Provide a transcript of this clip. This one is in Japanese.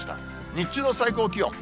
日中の最高気温。